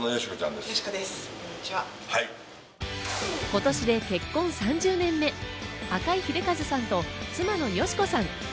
今年で結婚３０年目、赤井英和さんと妻の佳子さん。